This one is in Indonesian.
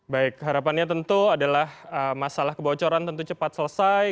baik harapannya tentu adalah masalah kebocoran tentu cepat selesai